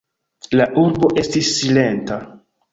La urbo estis silenta.